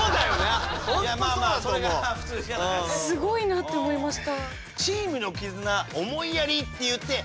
すごいなって思いました。